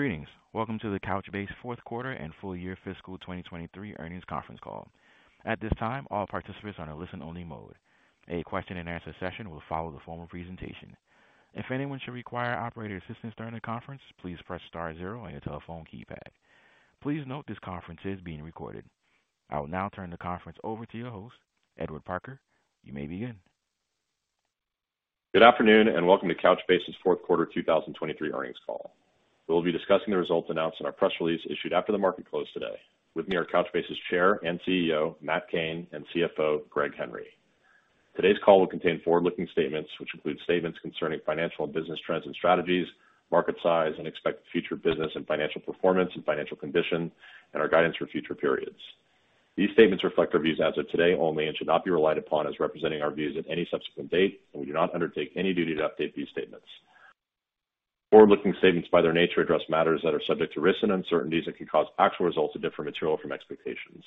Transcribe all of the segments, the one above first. Greetings. Welcome to the Couchbase fourth quarter and full year fiscal 2023 earnings conference call. At this time, all participants are in a listen-only mode. A question-and-answer session will follow the formal presentation. If anyone should require operator assistance during the conference, please press star zero on your telephone keypad. Please note this conference is being recorded. I will now turn the conference over to your host, Edward Parker. You may begin. Good afternoon, and welcome to Couchbase's fourth quarter 2023 earnings call. We'll be discussing the results announced in our Press Release issued after the market closed today. With me are Couchbase's Chair and Chief Executive Officer, Matt Cain, and Chief Financial Officer, Greg Henry. Today's call will contain forward-looking statements, which include statements concerning financial and business trends and strategies, market size, and expected future business and financial performance and financial condition, and our guidance for future periods. These statements reflect our views as of today only and should not be relied upon as representing our views at any subsequent date, and we do not undertake any duty to update these statements. Forward-looking statements by their nature address matters that are subject to risks and uncertainties that can cause actual results to differ materially from expectations.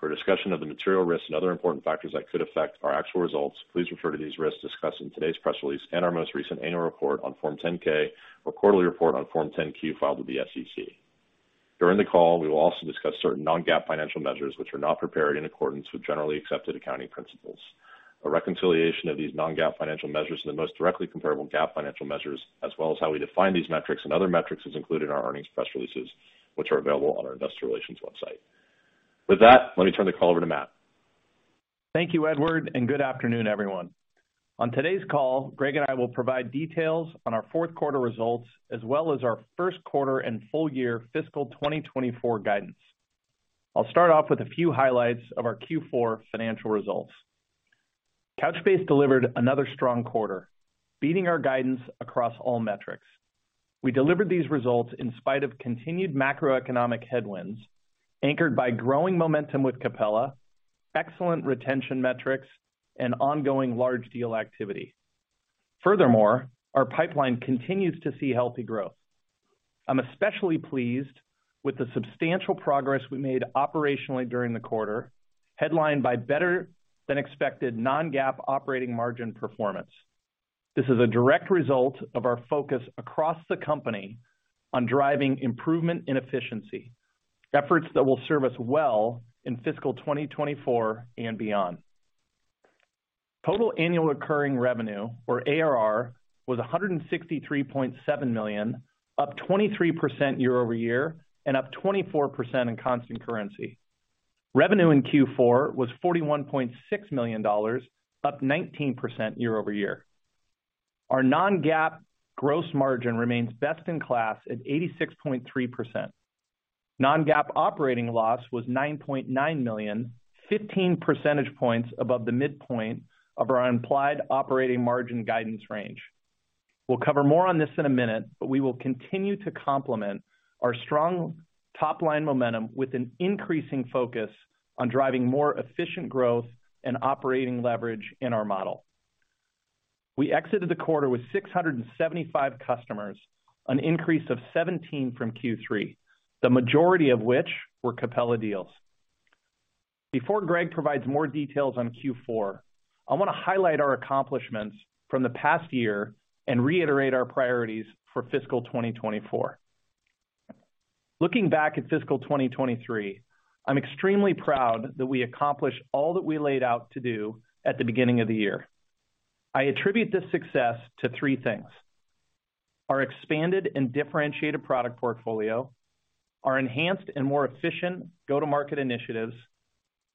For a discussion of the material risks and other important factors that could affect our actual results, please refer to these risks discussed in today's Press Release and our most recent Annual Report on Form 10-K or quarterly report on Form 10-Q filed with the SEC. During the call, we will also discuss certain non-GAAP financial measures which are not prepared in accordance with generally accepted accounting principles. A reconciliation of these non-GAAP financial measures and the most directly comparable GAAP financial measures as well as how we define these metrics and other metrics is included in our earnings press releases, which are available on our Investor Relations website. With that, let me turn the call over to Matt. Thank you, Edward. Good afternoon, everyone. On today's call, Greg and I will provide details on our fourth quarter results as well as our first quarter and full year fiscal 2024 guidance. I'll start off with a few highlights of our Q4 financial results. Couchbase delivered another strong quarter, beating our guidance across all metrics. We delivered these results in spite of continued macroeconomic headwinds, anchored by growing momentum with Capella, excellent retention metrics, and ongoing large deal activity. Our pipeline continues to see healthy growth. I'm especially pleased with the substantial progress we made operationally during the quarter, headlined by better than expected non-GAAP operating margin performance. This is a direct result of our focus across the company on driving improvement in efficiency, efforts that will serve us well in fiscal year 2024 and beyond. Total annual recurring revenue, or ARR, was $163.7 million, up 23% year-over-year and up 24% in constant currency. Revenue in Q4 was $41.6 million, up 19% year-over-year. Our non-GAAP gross margin remains best in class at 86.3%. Non-GAAP operating loss was $9.9 million, 15 percentage points above the midpoint of our implied operating margin guidance range. We'll cover more on this in a minute, we will continue to complement our strong top-line momentum with an increasing focus on driving more efficient growth and operating leverage in our model. We exited the quarter with 675 customers, an increase of 17 from Q3, the majority of which were Capella deals. Before Greg provides more details on Q4, I wanna highlight our accomplishments from the past year and reiterate our priorities for fiscal year 2024. Looking back at fiscal year 2023, I'm extremely proud that we accomplished all that we laid out to do at the beginning of the year. I attribute this success to three things: our expanded and differentiated product portfolio, our enhanced and more efficient go-to-market initiatives,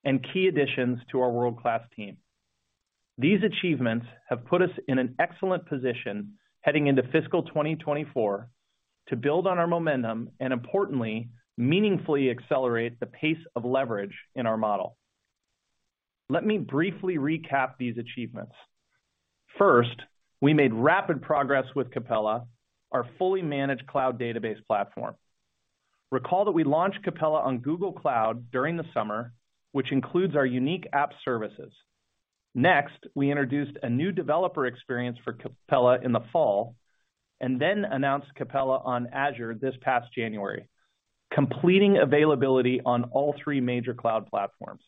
and key additions to our world-class team. These achievements have put us in an excellent position heading into fiscal year 2024 to build on our momentum and importantly, meaningfully accelerate the pace of leverage in our model. Let me briefly recap these achievements. First, we made rapid progress with Capella, our fully managed cloud database platform. Recall that we launched Capella on Google Cloud during the summer, which includes our unique App Services. Next, we introduced a new developer experience for Capella in the fall, then announced Capella on Azure this past January, completing availability on all three major cloud platforms.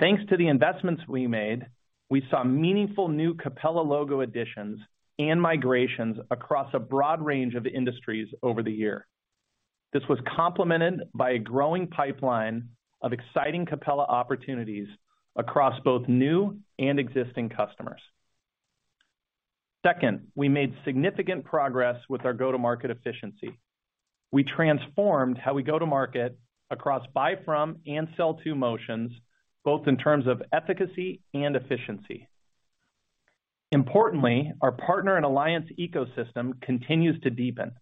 Thanks to the investments we made, we saw meaningful new Capella logo additions and migrations across a broad range of industries over the year. This was complemented by a growing pipeline of exciting Capella opportunities across both new and existing customers. Second, we made significant progress with our go-to-market efficiency. We transformed how we go to market across buy-from and sell-to motions, both in terms of efficacy and efficiency. Importantly, our partner and alliance ecosystem continues to deepen.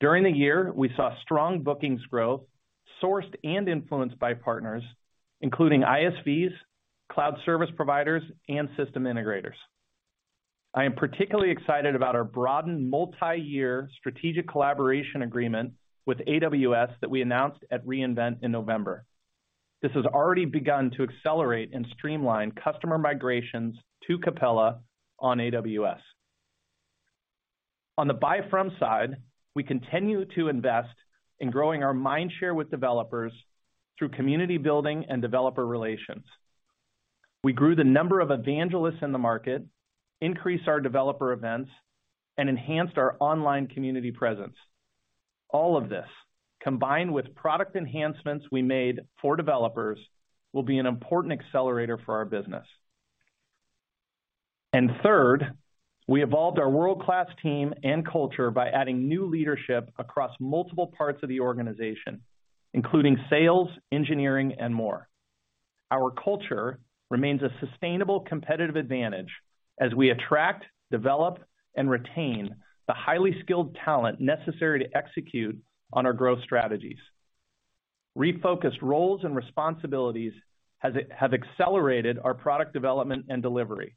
During the year, we saw strong bookings growth sourced and influenced by partners, including ISVs, cloud service providers, and system integrators. I am particularly excited about our broadened multi-year strategic collaboration agreement with AWS that we announced at re:Invent in November. This has already begun to accelerate and streamline customer migrations to Capella on AWS. On the buy-from side, we continue to invest in growing our mindshare with developers through community building and developer relations. We grew the number of evangelists in the market, increased our developer events, and enhanced our online community presence. All of this, combined with product enhancements we made for developers, will be an important accelerator for our business. Third, we evolved our world-class team and culture by adding new leadership across multiple parts of the organization, including sales, engineering, and more. Our culture remains a sustainable competitive advantage as we attract, develop, and retain the highly skilled talent necessary to execute on our growth strategies. Refocused roles and responsibilities have accelerated our product development and delivery,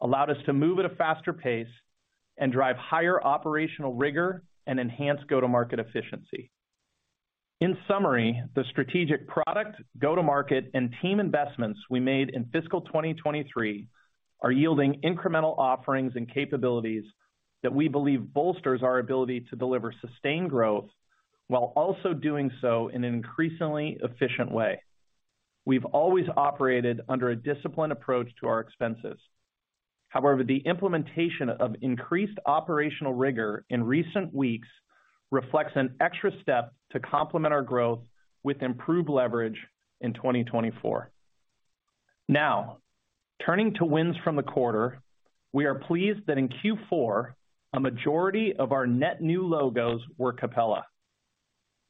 allowed us to move at a faster pace and drive higher operational rigor and enhance go-to-market efficiency. In summary, the strategic product go-to-market and team investments we made in fiscal year 2023 are yielding incremental offerings and capabilities that we believe bolsters our ability to deliver sustained growth while also doing so in an increasingly efficient way. We've always operated under a disciplined approach to our expenses. The implementation of increased operational rigor in recent weeks reflects an extra step to complement our growth with improved leverage in 2024. Turning to wins from the quarter. We are pleased that in Q4, a majority of our net new logos were Capella.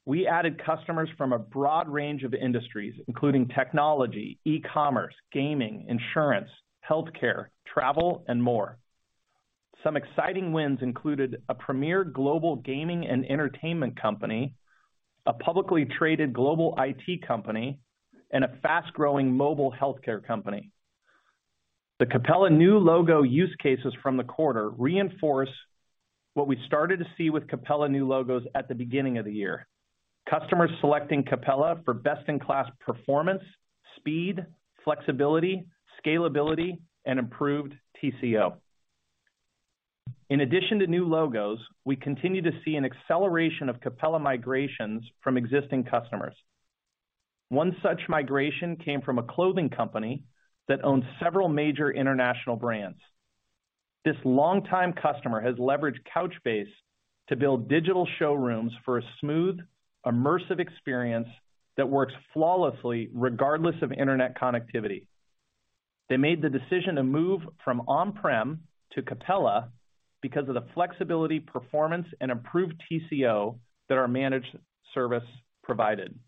We added customers from a broad range of industries, including technology, e-commerce, gaming, insurance, healthcare, travel, and more. Some exciting wins included a premier global gaming and entertainment company, a publicly traded global IT company, and a fast-growing mobile healthcare company. The Capella new logo use cases from the quarter reinforce what we started to see with Capella new logos at the beginning of the year. Customers selecting Capella for best-in-class performance, speed, flexibility, scalability, and improved TCO. In addition to new logos, we continue to see an acceleration of Capella migrations from existing customers. One such migration came from a clothing company that owns several major international brands. This longtime customer has leveraged Couchbase to build digital showrooms for a smooth, immersive experience that works flawlessly regardless of internet connectivity. They made the decision to move from on-prem to Capella because of the flexibility, performance, and improved TCO that our managed service provided.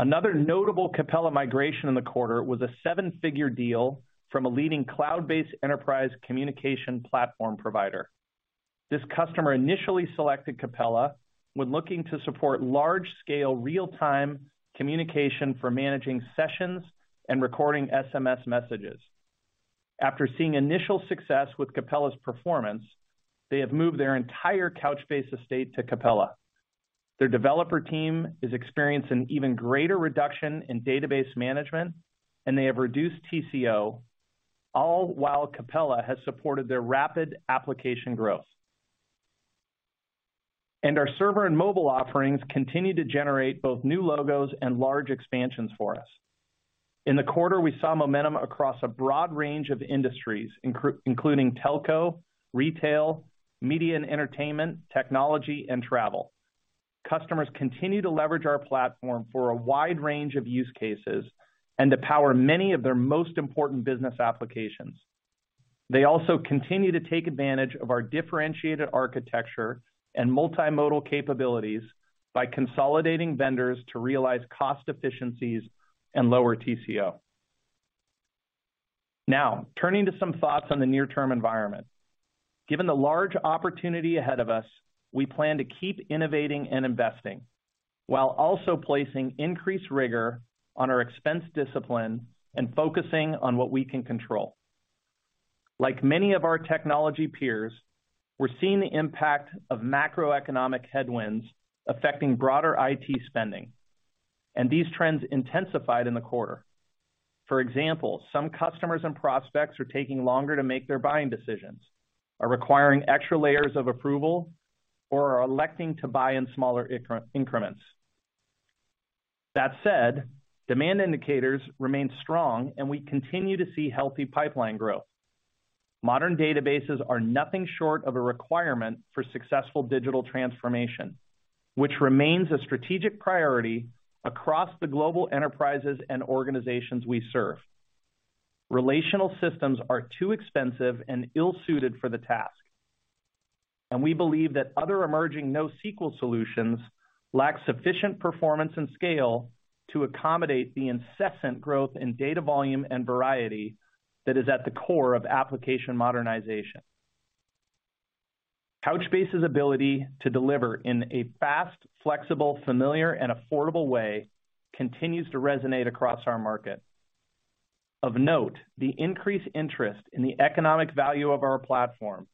Another notable Capella migration in the quarter was a seven-figure deal from a leading cloud-based enterprise communication platform provider. This customer initially selected Capella when looking to support large-scale real-time communication for managing sessions and recording SMS messages. After seeing initial success with Capella's performance, they have moved their entire Couchbase estate to Capella. Their developer team is experiencing even greater reduction in database management. They have reduced TCO, all while Capella has supported their rapid application growth. Our server and mobile offerings continue to generate both new logos and large expansions for us. In the quarter, we saw momentum across a broad range of industries, including telco, retail, media and entertainment, technology, and travel. Customers continue to leverage our platform for a wide range of use cases and to power many of their most important business applications. They also continue to take advantage of our differentiated architecture and multimodal capabilities by consolidating vendors to realize cost efficiencies and lower TCO. Now, turning to some thoughts on the near-term environment. Given the large opportunity ahead of us, we plan to keep innovating and investing while also placing increased rigor on our expense discipline and focusing on what we can control. Like many of our technology peers, we're seeing the impact of macroeconomic headwinds affecting broader IT spending, and these trends intensified in the quarter. For example, some customers and prospects are taking longer to make their buying decisions, are requiring extra layers of approval, or are electing to buy in smaller increments. That said, demand indicators remain strong and we continue to see healthy pipeline growth. Modern databases are nothing short of a requirement for successful digital transformation, which remains a strategic priority across the global enterprises and organizations we serve. Relational systems are too expensive and ill-suited for the task, and we believe that other emerging NoSQL solutions lack sufficient performance and scale to accommodate the incessant growth in data volume and variety that is at the core of application modernization. Couchbase's ability to deliver in a fast, flexible, familiar, and affordable way continues to resonate across our market. Of note, the increased interest in the economic value of our platform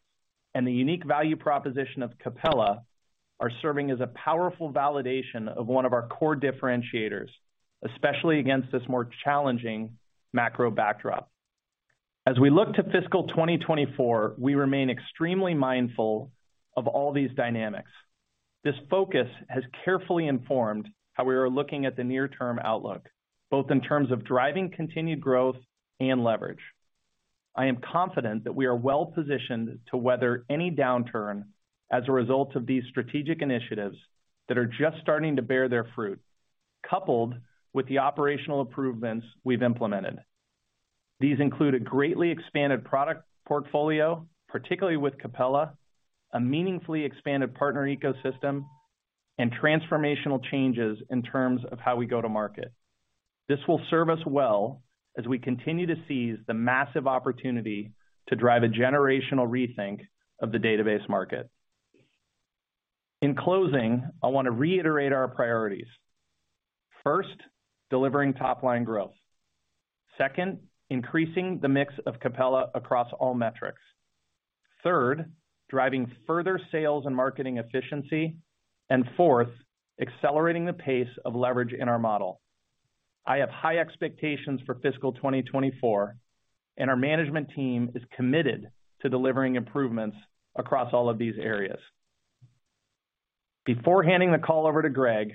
and the unique value proposition of Capella are serving as a powerful validation of one of our core differentiators, especially against this more challenging macro backdrop. As we look to fiscal year 2024, we remain extremely mindful of all these dynamics. This focus has carefully informed how we are looking at the near-term outlook, both in terms of driving continued growth and leverage. I am confident that we are well-positioned to weather any downturn as a result of these strategic initiatives that are just starting to bear their fruit, coupled with the operational improvements we've implemented. These include a greatly expanded product portfolio, particularly with Capella, a meaningfully expanded partner ecosystem, and transformational changes in terms of how we go to market. This will serve us well as we continue to seize the massive opportunity to drive a generational rethink of the database market. In closing, I wanna reiterate our priorities. First, delivering top-line growth. Second, increasing the mix of Capella across all metrics. Third, driving further sales and marketing efficiency. Fourth, accelerating the pace of leverage in our model. I have high expectations for fiscal year 2024 and our management team is committed to delivering improvements across all of these areas. Before handing the call over to Greg,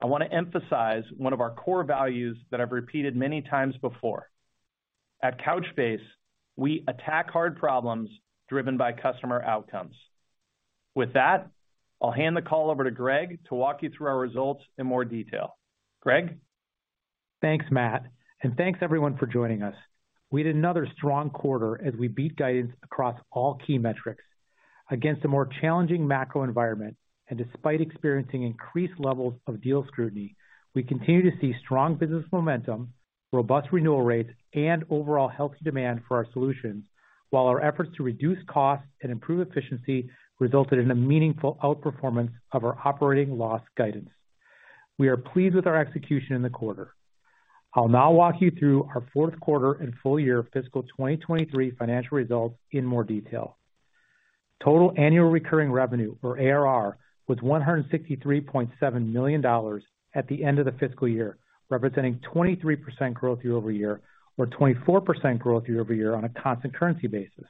I wanna emphasize one of our core values that I've repeated many times before. At Couchbase, we attack hard problems driven by customer outcomes. With that, I'll hand the call over to Greg to walk you through our results in more detail. Greg? Thanks, Matt. Thanks everyone for joining us. We had another strong quarter as we beat guidance across all key metrics. Against a more challenging macro environment, and despite experiencing increased levels of deal scrutiny, we continue to see strong business momentum, robust renewal rates, and overall healthy demand for our solutions, while our efforts to reduce costs and improve efficiency resulted in a meaningful outperformance of our operating loss guidance. We are pleased with our execution in the quarter. I'll now walk you through our fourth quarter and full year fiscal year 2023 financial results in more detail. Total annual recurring revenue, or ARR, was $163.7 million at the end of the fiscal year, representing 23% growth year-over-year, or 24% growth year-over-year on a constant currency basis.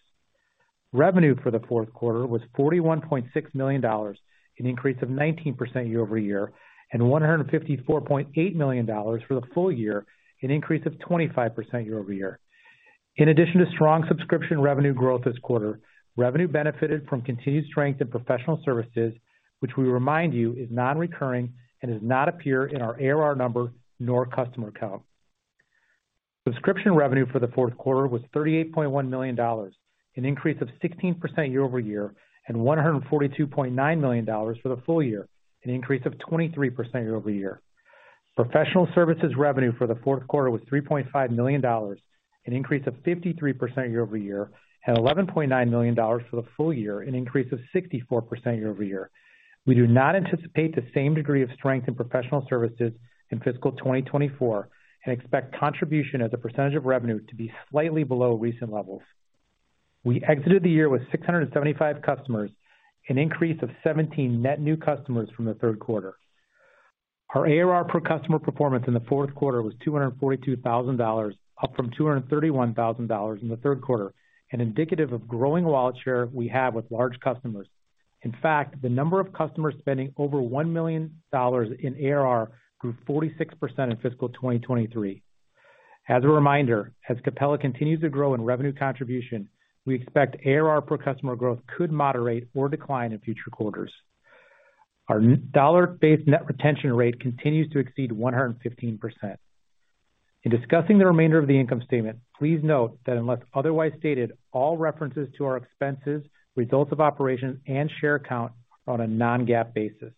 Revenue for the fourth quarter was $41.6 million, an increase of 19% year-over-year. $154.8 million for the full year, an increase of 25% year-over-year. In addition to strong subscription revenue growth this quarter, revenue benefited from continued strength in professional services, which we remind you is non-recurring and does not appear in our ARR number nor customer count. Subscription revenue for the fourth quarter was $38.1 million, an increase of 16% year-over-year. $142.9 million for the full year, an increase of 23% year-over-year. Professional services revenue for the fourth quarter was $3.5 million, an increase of 53% year-over-year, and $11.9 million for the full year, an increase of 64% year-over-year. We do not anticipate the same degree of strength in professional services in fiscal year 2024 and expect contribution as a percentage of revenue to be slightly below recent levels. We exited the year with 675 customers, an increase of 17 net new customers from the third quarter. Our ARR per customer performance in the fourth quarter was $242,000, up from $231,000 in the third quarter, and indicative of growing wallet share we have with large customers. In fact, the number of customers spending over $1 million in ARR grew 46% in fiscal 2023. As a reminder, as Capella continues to grow in revenue contribution, we expect ARR per customer growth could moderate or decline in future quarters. Our dollar-based net retention rate continues to exceed 115%. In discussing the remainder of the income statement, please note that unless otherwise stated, all references to our expenses, results of operations, and share count are on a non-GAAP basis.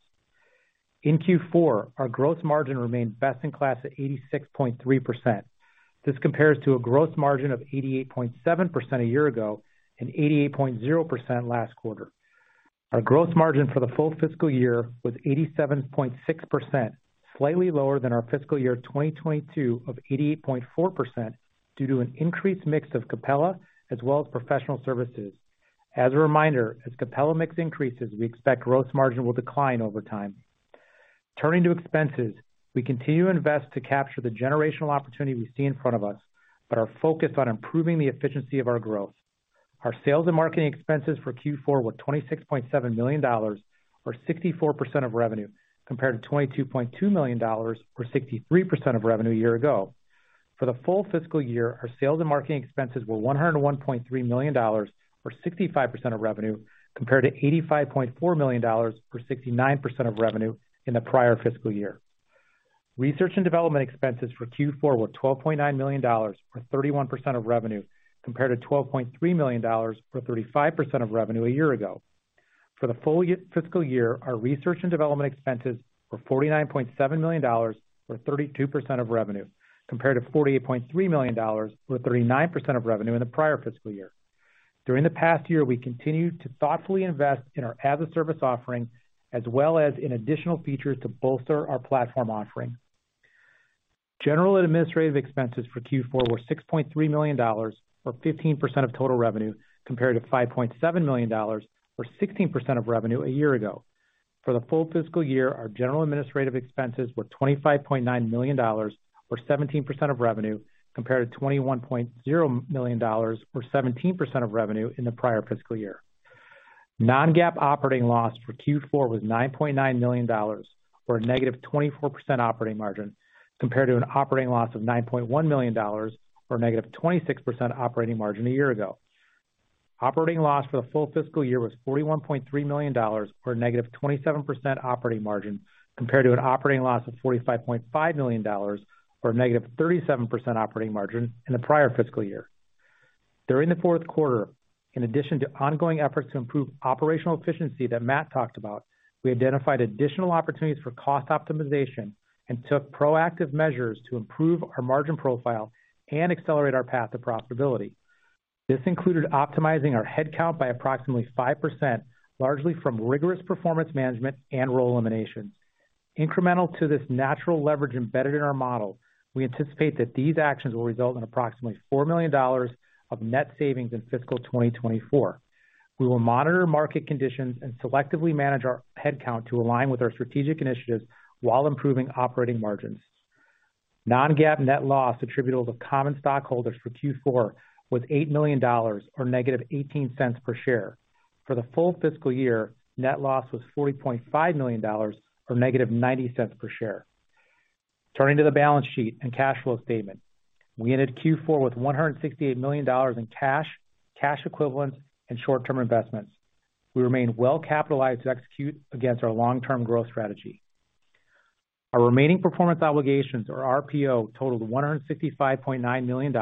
In Q4, our gross margin remained best-in-class at 86.3%. This compares to a gross margin of 88.7% a year ago and 88.0% last quarter. Our gross margin for the full fiscal year was 87.6%, slightly lower than our fiscal year 2022 of 88.4% due to an increased mix of Capella as well as professional services. As a reminder, as Capella mix increases, we expect gross margin will decline over time. Turning to expenses, we continue to invest to capture the generational opportunity we see in front of us, but are focused on improving the efficiency of our growth. Our sales and marketing expenses for Q4 were $26.7 million, or 64% of revenue, compared to $22.2 million or 63% of revenue a year ago. For the full fiscal year, our sales and marketing expenses were $101.3 million or 65% of revenue, compared to $85.4 million or 69% of revenue in the prior fiscal year. Research and development expenses for Q4 were $12.9 million or 31% of revenue, compared to $12.3 million or 35% of revenue a year ago. For the full fiscal year, our research and development expenses were $49.7 million or 32% of revenue, compared to $48.3 million or 39% of revenue in the prior fiscal year. During the past year, we continued to thoughtfully invest in our as a service offering, as well as in additional features to bolster our platform offering. General and administrative expenses for Q4 were $6.3 million or 15% of total revenue, compared to $5.7 million or 16% of revenue a year ago. For the full fiscal year, our general administrative expenses were $25.9 million, or 17% of revenue, compared to $21.0 million, or 17% of revenue in the prior fiscal year. Non-GAAP operating loss for Q4 was $9.9 million, or -24% operating margin, compared to an operating loss of $9.1 million or -26% operating margin a year ago. Operating loss for the full fiscal year was $41.3 million or -27% operating margin, compared to an operating loss of $45.5 million or -37% operating margin in the prior fiscal year. During the fourth quarter, in addition to ongoing efforts to improve operational efficiency that Matt talked about, we identified additional opportunities for cost optimization and took proactive measures to improve our margin profile and accelerate our path to profitability. This included optimizing our headcount by approximately 5%, largely from rigorous performance management and role elimination. Incremental to this natural leverage embedded in our model, we anticipate that these actions will result in approximately $4 million of net savings in fiscal year 2024. We will monitor market conditions and selectively manage our headcount to align with our strategic initiatives while improving operating margins. Non-GAAP net loss attributable to common stockholders for Q4 was $8 million or $-0.18 per share. For the full fiscal year, net loss was $40.5 million, or $-0.90 per share. Turning to the balance sheet and cash flow statement. We ended Q4 with $168 million in cash equivalents and short-term investments. We remain well capitalized to execute against our long-term growth strategy. Our remaining performance obligations, or RPO, totaled $165.9 million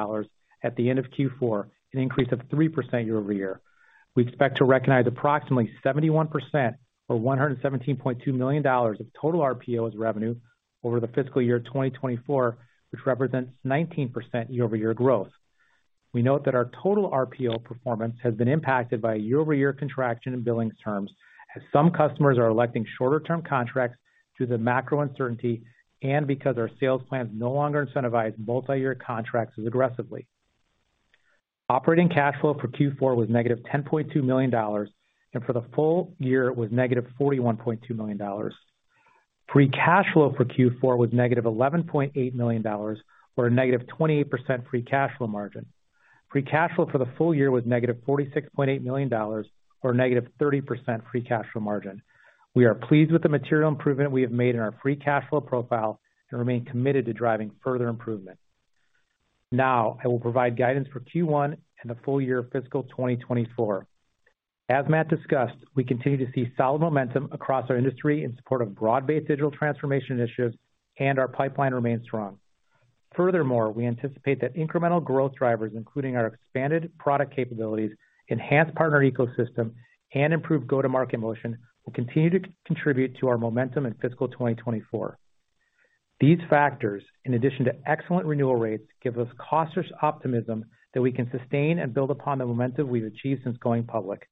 at the end of Q4, an increase of 3% year-over-year. We expect to recognize approximately 71% or $117.2 million of total RPO as revenue over the fiscal year 2024, which represents 19% year-over-year growth. We note that our total RPO performance has been impacted by a year-over-year contraction in billings terms as some customers are electing shorter term contracts due to the macro uncertainty and because our sales plans no longer incentivize multi-year contracts as aggressively. Operating cash flow for Q4 was $-10.2 million, and for the full year it was $-41.2 million. Free cash flow for Q4 was $-11.8 million or -28% free cash flow margin. Free cash flow for the full year was $-46.8 million or -30% free cash flow margin. We are pleased with the material improvement we have made in our free cash flow profile and remain committed to driving further improvement. Now, I will provide guidance for Q1 and the full year fiscal year 2024. As Matt discussed, we continue to see solid momentum across our industry in support of broad-based digital transformation initiatives and our pipeline remains strong. Furthermore, we anticipate that incremental growth drivers, including our expanded product capabilities, enhanced partner ecosystem and improved go-to-market motion, will continue to contribute to our momentum in fiscal 2024. These factors, in addition to excellent renewal rates, give us cautious optimism that we can sustain and build upon the momentum we've achieved since going public.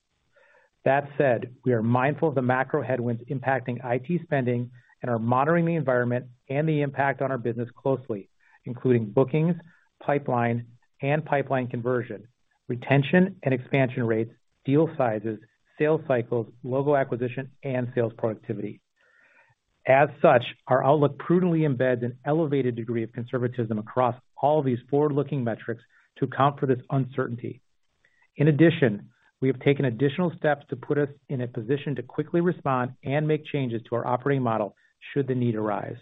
That said, we are mindful of the macro headwinds impacting IT spending and are monitoring the environment and the impact on our business closely, including bookings, pipeline and pipeline conversion, retention and expansion rates, deal sizes, sales cycles, logo acquisition and sales productivity. As such, our outlook prudently embeds an elevated degree of conservatism across all these forward-looking metrics to account for this uncertainty. In addition, we have taken additional steps to put us in a position to quickly respond and make changes to our operating model should the need arise.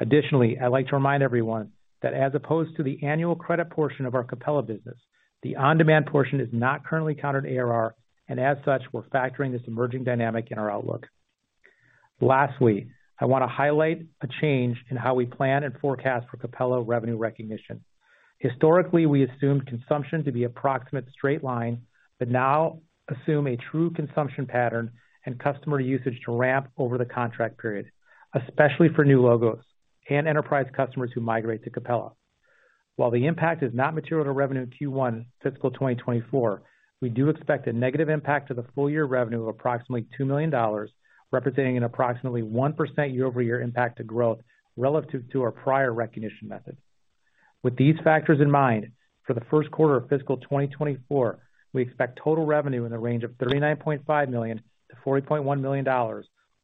Additionally, I'd like to remind everyone that as opposed to the annual credit portion of our Capella business, the on-demand portion is not currently counted ARR, and as such, we're factoring this emerging dynamic in our outlook. Lastly, I wanna highlight a change in how we plan and forecast for Capella revenue recognition. Historically, we assumed consumption to be approximate straight line, but now assume a true consumption pattern and customer usage to ramp over the contract period, especially for new logos and enterprise customers who migrate to Capella. While the impact is not material to revenue in Q1 fiscal year 2024, we do expect a negative impact to the full year revenue of approximately $2 million, representing an approximately 1% year-over-year impact to growth relative to our prior recognition method. With these factors in mind, for the 1st quarter of fiscal year 2024, we expect total revenue in the range of $39.5 million-$40.1 million,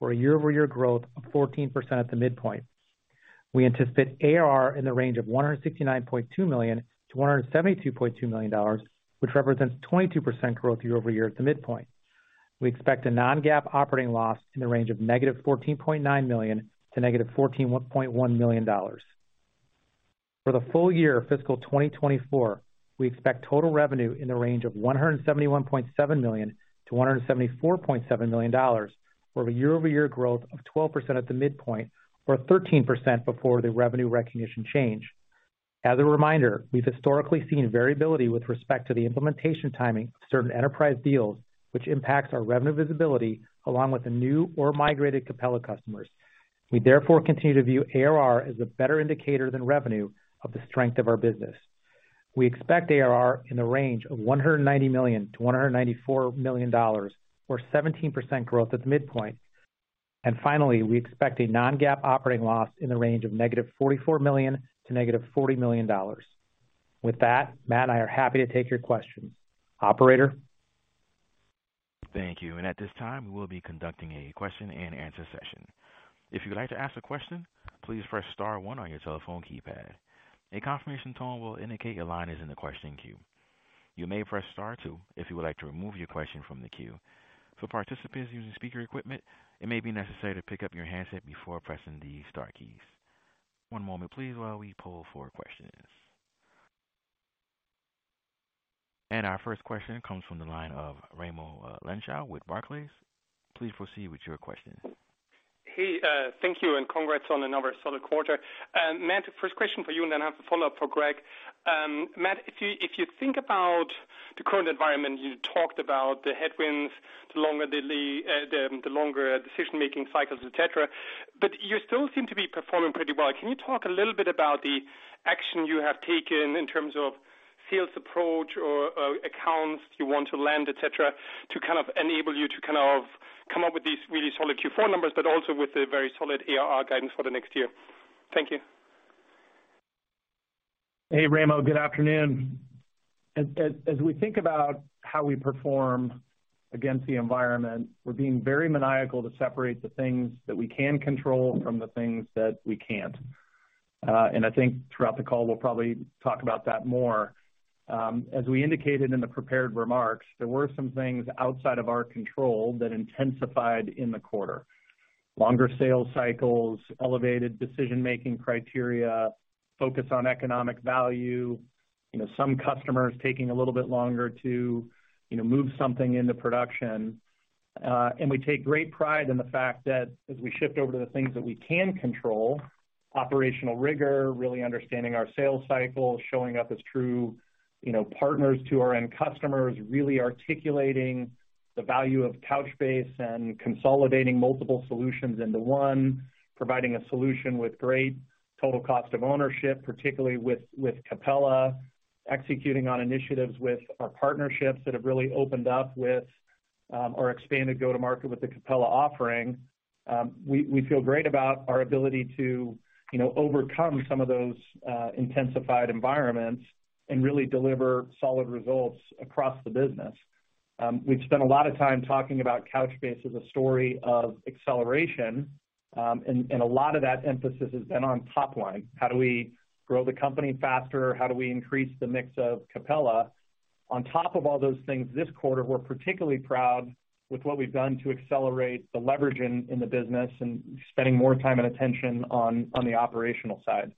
or a year-over-year growth of 14% at the midpoint. We anticipate ARR in the range of $169.2 million-$172.2 million, which represents 22% growth year-over-year at the midpoint. We expect a non-GAAP operating loss in the range of $-14.9 million to $-14.1 million. For the full year fiscal 2024, we expect total revenue in the range of $171.7 million-$174.7 million, or a year-over-year growth of 12% at the midpoint or 13% before the revenue recognition change. As a reminder, we've historically seen variability with respect to the implementation timing of certain enterprise deals, which impacts our revenue visibility along with the new or migrated Capella customers. We therefore continue to view ARR as a better indicator than revenue of the strength of our business. We expect ARR in the range of $190 million-$194 million, or 17% growth at the midpoint. Finally, we expect a non-GAAP operating loss in the range of $-44 million to $-40 million. With that, Matt and I are happy to take your questions. Operator? Thank you. At this time, we will be conducting a question-and-answer session. If you'd like to ask a question, please press star one on your telephone keypad. A confirmation tone will indicate your line is in the question queue. You may press star two if you would like to remove your question from the queue. For participants using speaker equipment, it may be necessary to pick up your handset before pressing the star keys. One moment please, while we pull for questions. Our first question comes from the line of Raimo Lenschow with Barclays. Please proceed with your question. Hey, thank you. Congrats on another solid quarter. Matt, first question for you. I have a follow-up for Greg. Matt, if you think about the current environment, you talked about the headwinds, the longer decision-making cycles, etcetera. You still seem to be performing pretty well. Can you talk a little bit about the action you have taken in terms of sales approach or accounts you want to land, etcetera, to enable you to come up with these really solid Q4 numbers? Also with a very solid ARR guidance for the next year. Thank you. Hey, Raimo, good afternoon. As we think about how we perform against the environment, we're being very maniacal to separate the things that we can control from the things that we can't. I think throughout the call we'll probably talk about that more. As we indicated in the prepared remarks, there were some things outside of our control that intensified in the quarter. Longer sales cycles, elevated decision-making criteria, focus on economic value, you know, some customers taking a little bit longer to, you know, move something into production. We take great pride in the fact that as we shift over to the things that we can control, operational rigor, really understanding our sales cycle, showing up as true, you know, partners to our end customers, really articulating the value of Couchbase and consolidating multiple solutions into one, providing a solution with great total cost of ownership, particularly with Capella, executing on initiatives with our partnerships that have really opened up with or expanded go-to-market with the Capella offering. We feel great about our ability to, you know, overcome some of those intensified environments and really deliver solid results across the business. We've spent a lot of time talking about Couchbase as a story of acceleration, and a lot of that emphasis has been on top-line. How do we grow the company faster? How do we increase the mix of Capella? On top of all those things this quarter, we're particularly proud with what we've done to accelerate the leverage in the business and spending more time and attention on the operational side.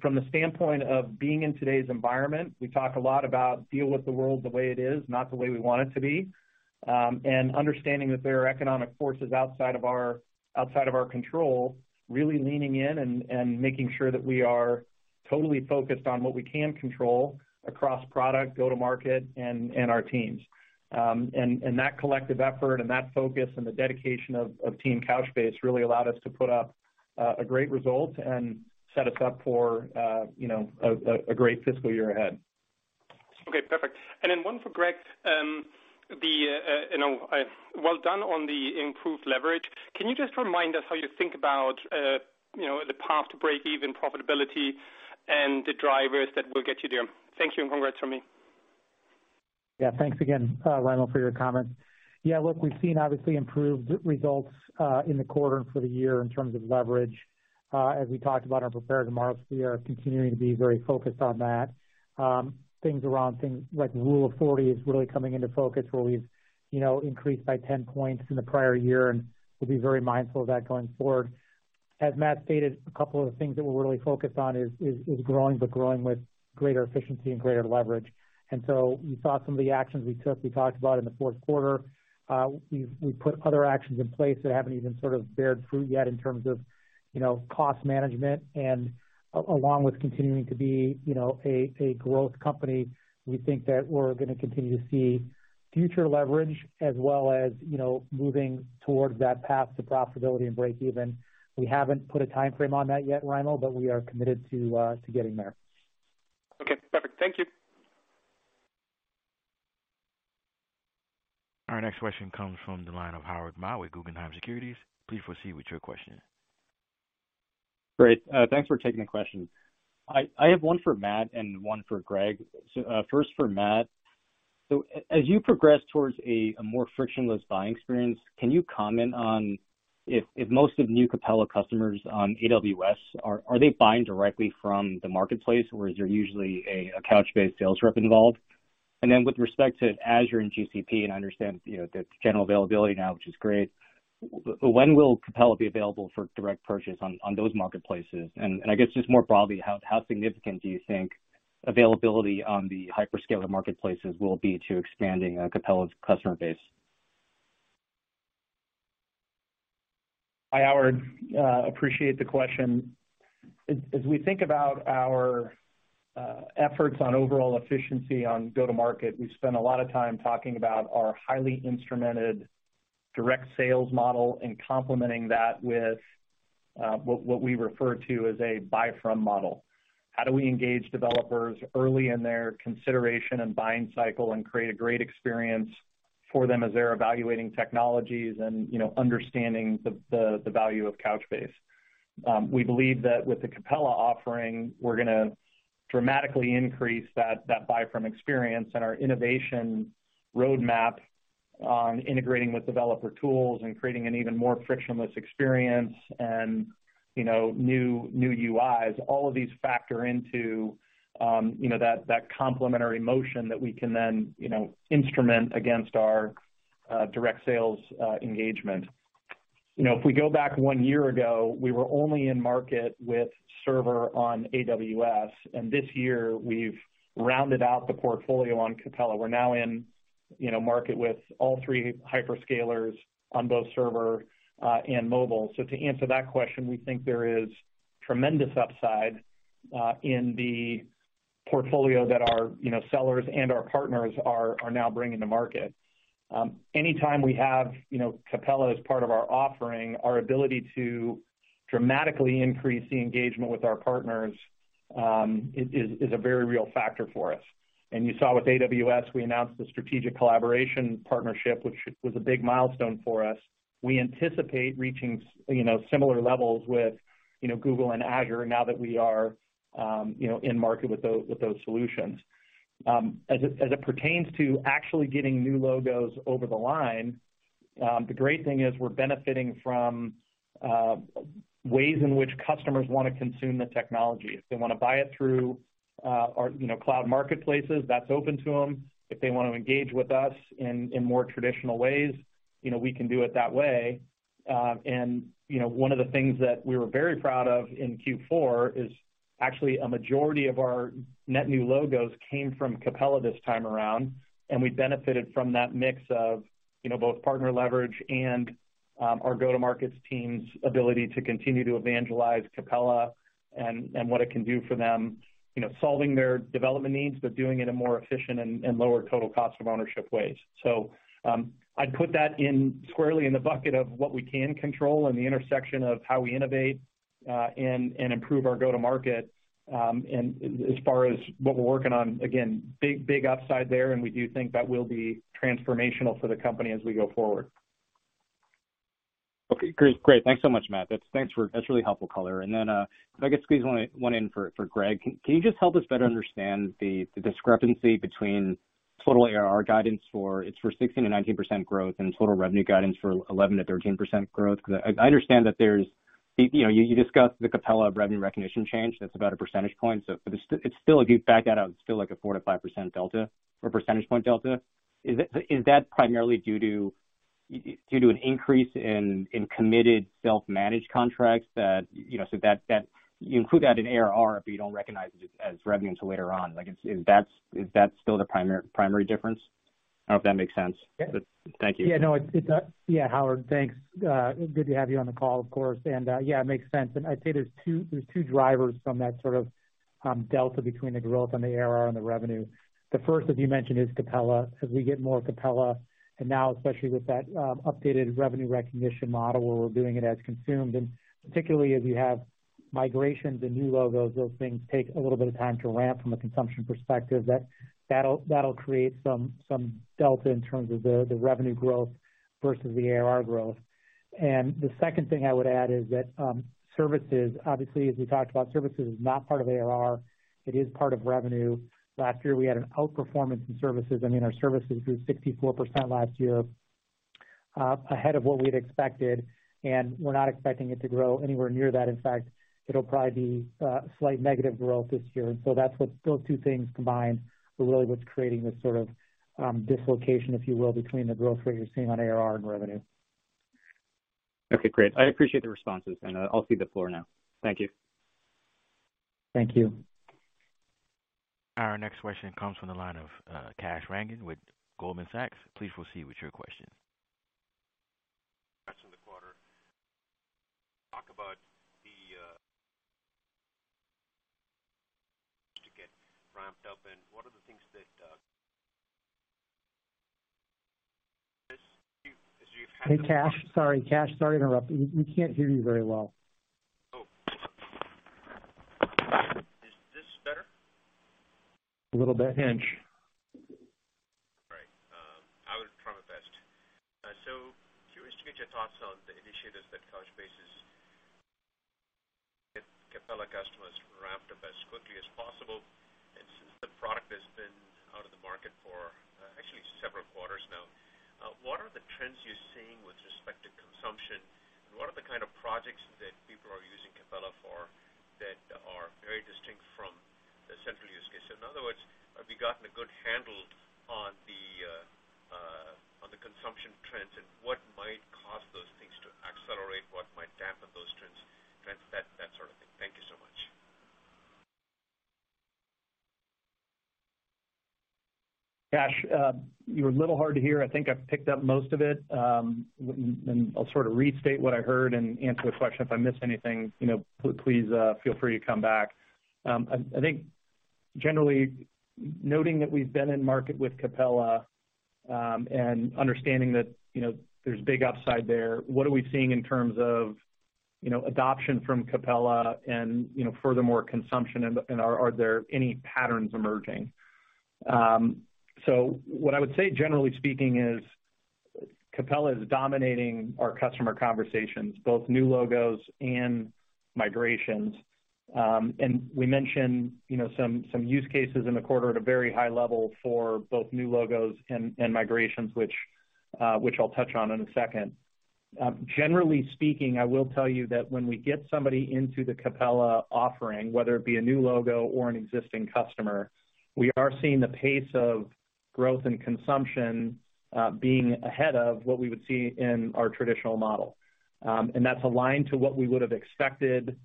From the standpoint of being in today's environment, we talk a lot about deal with the world the way it is, not the way we want it to be. Understanding that there are economic forces outside of our control, really leaning in and making sure that we are totally focused on what we can control across product, go-to-market, and our teams. That collective effort and that focus and the dedication of Team Couchbase really allowed us to put up a great result and set us up for, you know, a great fiscal year ahead. Okay, perfect. One for Greg. Well done on the improved leverage. Can you just remind us how you think about, you know, the path to break even profitability and the drivers that will get you there? Thank you and congrats from me. Yeah. Thanks again, Raimo, for your comments. Yeah, look, we've seen obviously improved results in the quarter and for the year in terms of leverage. As we talked about in our prepared remarks, we are continuing to be very focused on that. Things around things like Rule of 40 is really coming into focus, where we've, you know, increased by 10 points from the prior year, and we'll be very mindful of that going forward. As Matt stated, a couple of the things that we're really focused on is growing, but growing with greater efficiency and greater leverage. You saw some of the actions we took, we talked about in the fourth quarter. We've, we put other actions in place that haven't even sort of bore fruit yet in terms of, you know, cost management. Along with continuing to be, you know, a growth company, we think that we're gonna continue to see future leverage as well as, you know, moving towards that path to profitability and breakeven. We haven't put a timeframe on that yet, Raimo, but we are committed to getting there. Okay, perfect. Thank you. Our next question comes from the line of Howard Ma with Guggenheim Securities. Please proceed with your question. Great. Thanks for taking the question. I have one for Matt and one for Greg. First for Matt. As you progress towards a more frictionless buying experience, can you comment on if most of new Capella customers on AWS are they buying directly from the marketplace, or is there usually a Couchbase sales representative involved? Then with respect to Azure and GCP, I understand, you know, the general availability now, which is great, when will Capella be available for direct purchase on those marketplaces? I guess just more broadly, how significant do you think availability on the hyperscaler marketplaces will be to expanding Capella's customer base? Hi, Howard, appreciate the question. As we think about our efforts on overall efficiency on go-to-market, we've spent a lot of time talking about our highly instrumented direct sales model and complementing that with what we refer to as a buy from model. How do we engage developers early in their consideration and buying cycle and create a great experience for them as they're evaluating technologies and, you know, understanding the value of Couchbase. We believe that with the Capella offering, we're gonna dramatically increase that buy-from experience and our innovation roadmap on integrating with developer tools and creating an even more frictionless experience and, you know, new UIs. All of these factor into, you know, that complementary motion that we can then, you know, instrument against our direct sales engagement. You know, if we go back one year ago, we were only in market with server on AWS, and this year we've rounded out the portfolio on Capella. We're now in, you know, market with all three hyperscalers on both server and mobile. To answer that question, we think there is tremendous upside, in the portfolio that our, you know, sellers and our partners are now bringing to market. Anytime we have, you know, Capella as part of our offering, our ability to dramatically increase the engagement with our partners, is a very real factor for us. You saw with AWS, we announced the strategic collaboration partnership, which was a big milestone for us. We anticipate reaching similar levels with, you know, Google and Azure now that we are, you know, in market with those solutions. As it pertains to actually getting new logos over the line, the great thing is we're benefiting from ways in which customers wanna consume the technology. If they wanna buy it through our, you know, cloud marketplaces, that's open to them. If they want to engage with us in more traditional ways, you know, we can do it that way. You know, one of the things that we were very proud of in Q4 is actually a majority of our net new logos came from Capella this time around, and we benefited from that mix of, you know, both partner leverage and our go-to-markets team's ability to continue to evangelize Capella and what it can do for them, you know, solving their development needs, but doing it in more efficient and lower total cost of ownership ways. I'd put that in squarely in the bucket of what we can control and the intersection of how we innovate, and improve our go-to-market. As far as what we're working on, again, big, big upside there, and we do think that will be transformational for the company as we go forward. Okay, great. Great. Thanks so much, Matt. That's really helpful color. If I could squeeze only one in for Greg, can you just help us better understand the discrepancy between total ARR guidance for, it's for 16%-19% growth and total revenue guidance for 11%-13% growth? I understand that there's, you know, you discussed the Capella revenue recognition change, that's about a percentage point. It's still, if you back that out, it's still like a 4%-5% delta or percentage point delta. Is that primarily due to an increase in committed self-managed contracts that, you know, so that you include that in ARR, but you don't recognize it as revenue until later on. Like, is that still the primary difference? I don't know if that makes sense. Yeah. Thank you. Howard. Thanks. Good to have you on the call, of course. It makes sense. I'd say there's two drivers from that sort of delta between the growth on the ARR and the revenue. The first, as you mentioned, is Capella. As we get more Capella, and now especially with that updated revenue recognition model where we're doing it as consumed, and particularly as we have migrations and new logos, those things take a little bit of time to ramp from a consumption perspective. That'll create some delta in terms of the revenue growth versus the ARR growth. The second thing I would add is that services, obviously, as we talked about, services is not part of ARR. It is part of revenue. Last year, we had an outperformance in services. I mean, our services grew 64% last year, ahead of what we'd expected, and we're not expecting it to grow anywhere near that. In fact, it'll probably be slight negative growth this year. That's what those two things combined are really what's creating this sort of dislocation, if you will, between the growth rates you're seeing on ARR and revenue. Okay, great. I appreciate the responses. I'll give the floor now. Thank you. Thank you. Our next question comes from the line of, Kash Rangan with Goldman Sachs. Please proceed with your question. Kash in the quarter. Talk about the to get ramped up, and what are the things that. As you've had. Hey, Kash. Sorry, Kash. Sorry to interrupt. We can't hear you very well. Oh. Is this better? A little bit. All right. I will try my best. Curious to get your thoughts on the initiatives that Capella customers ramped up as quickly as possible. Since the product has been out of the market for actually several quarters now, what are the trends you're seeing with respect to consumption, and what are the kind of projects that people are using Capella for that are very distinct from the central use case? In other words, have you gotten a good handle on the consumption trends and what might cause those things to accelerate, what might dampen those trends, that sort of thing? Thank you so much. Kash, you're a little hard to hear. I think I've picked up most of it. I'll sort of restate what I heard and answer the question. If I miss anything, you know, please feel free to come back. I think generally noting that we've been in market with Capella, understanding that, you know, there's big upside there, what are we seeing in terms of you know, adoption from Capella and, you know, furthermore consumption and, are there any patterns emerging? What I would say generally speaking is Capella is dominating our customer conversations, both new logos and migrations. We mentioned, you know, some use cases in the quarter at a very high level for both new logos and migrations, which I'll touch on in a second. Generally speaking, I will tell you that when we get somebody into the Capella offering, whether it be a new logo or an existing customer, we are seeing the pace of growth and consumption, being ahead of what we would see in our traditional model. That's aligned to what we would have expected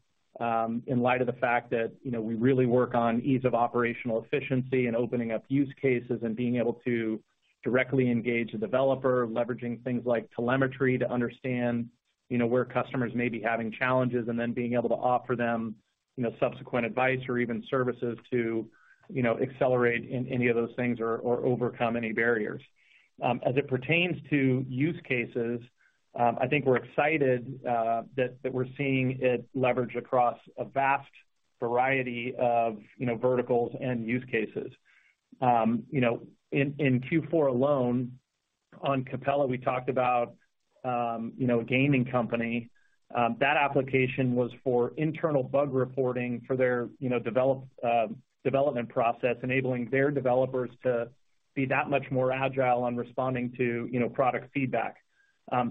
in light of the fact that, you know, we really work on ease of operational efficiency and opening up use cases and being able to directly engage the developer, leveraging things like telemetry to understand, you know, where customers may be having challenges, and then being able to offer them, you know, subsequent advice or even services to, you know, accelerate in any of those things or overcome any barriers. As it pertains to use cases, I think we're excited that we're seeing it leveraged across a vast variety of, you know, verticals and use cases. You know, in Q4 alone, on Capella, we talked about, you know, a gaming company. That application was for internal bug reporting for their, you know, development process, enabling their developers to be that much more agile on responding to, you know, product feedback.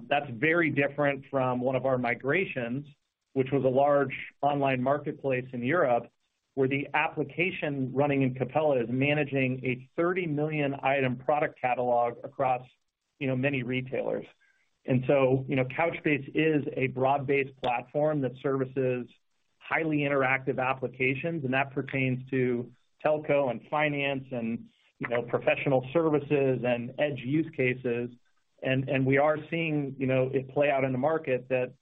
That's very different from one of our migrations, which was a large online marketplace in Europe, where the application running in Capella is managing a 30-million item product catalog across, you know, many retailers. You know, Couchbase is a broad-based platform that services highly interactive applications, and that pertains to telco and finance and, you know, professional services and edge use cases. We are seeing, you know, it play out in the market that